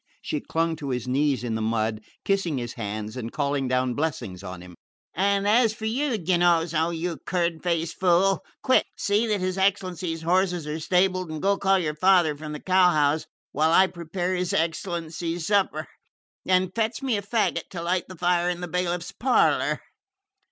She clung to his knees in the mud, kissing his hands and calling down blessings on him. "And as for you, Giannozzo, you curd faced fool, quick, see that his excellency's horses are stabled and go call your father from the cow house while I prepare his excellency's supper. And fetch me in a faggot to light the fire in the bailiff's parlour."